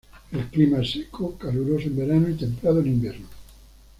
El clima es seco, caluroso en verano y templado en invierno.